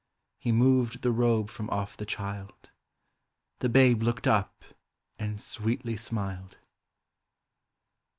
He moved the robe from otf the child,— The babe looked up and sweetly smiled